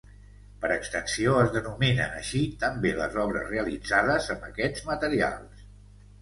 Per extensió es denominen així també les obres realitzades amb aquests materials.